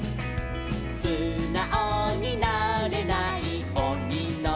「すなおになれないオニのこだ」